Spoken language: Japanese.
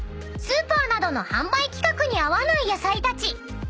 ［スーパーなどの販売規格に合わない野菜たち］